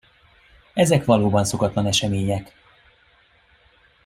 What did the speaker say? Ezek valóban szokatlan események.